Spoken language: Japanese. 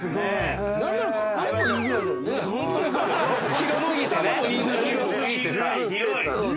広すぎてね。